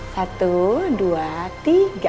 satu dua tiga